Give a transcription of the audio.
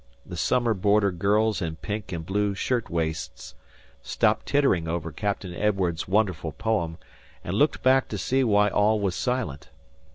The summer boarder girls in pink and blue shirt waists stopped tittering over Captain Edwardes's wonderful poem, and looked back to see why all was silent.